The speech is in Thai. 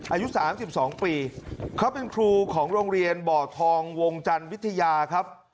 อายุ๓๒ปีเขาเป็นครูของโรงเรียนบ่อทองวงจันทร์วิทยาครับ